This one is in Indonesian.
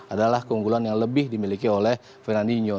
adalah keunggulan yang lebih dimiliki oleh fernandinho